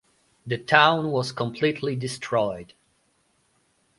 The town was completely destroyed.